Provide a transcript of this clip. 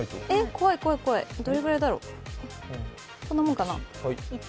怖い怖い、どれくらいだろ。